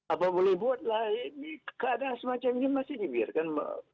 apa boleh buatlah ini keadaan semacam ini masih dibiarkan